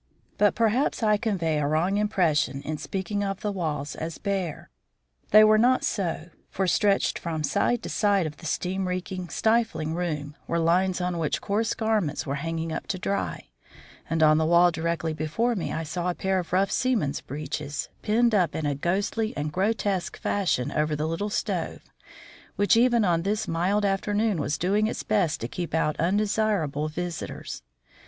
But perhaps I convey a wrong impression in speaking of the walls as bare. They were not so; for, stretched from side to side of the steam reeking, stifling room, were lines on which coarse garments were hanging up to dry; and on the wall directly before me I saw a pair of rough seaman's breeches, pinned up in a ghostly and grotesque fashion over the little stove which even on this mild afternoon was doing its best to keep out undesirable visitors.